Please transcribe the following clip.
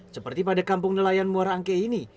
seperti pada kampung nelayan muara angke ini